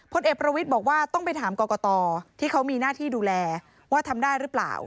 เอกประวิทย์บอกว่าต้องไปถามกรกตที่เขามีหน้าที่ดูแลว่าทำได้หรือเปล่า